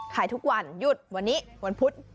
ขายทุกวันหยุดวันนี้วันพุธ